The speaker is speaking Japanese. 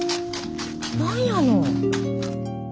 何やの。